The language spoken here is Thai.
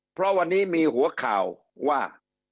เพราะวันนี้มีหัวข่าวว่า